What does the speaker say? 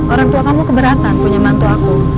orang tua kamu keberatan punya mantu aku